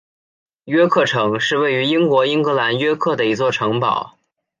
约克城是位于英国英格兰约克的一座城堡。